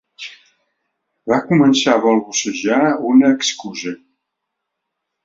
Va començar a balbucejar una excusa.